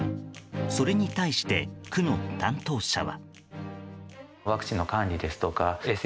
それに対して、区の担当者は。